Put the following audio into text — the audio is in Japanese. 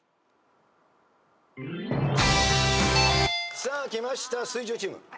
さあきました水１０チーム。